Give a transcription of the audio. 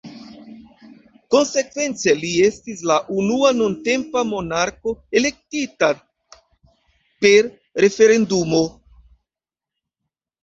Konsekvence, li estis la unua nuntempa monarko elektita per referendumo.